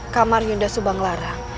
kamar yunda subanglarang